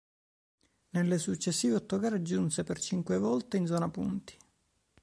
Nelle successive otto gare giunge per cinque volte in zona punti.